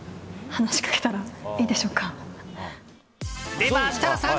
では、設楽さん